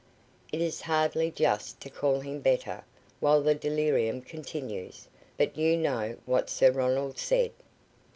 "It is hardly just to call him better while this delirium continues; but you know what Sir Ronald said."